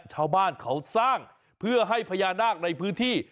ชาวบ้านเขาสร้างเพื่อให้พญานาคในพื้นที่